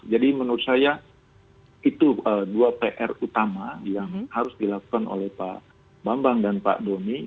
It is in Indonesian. jadi menurut saya itu dua pr utama yang harus dilakukan oleh pak bambang dan pak doni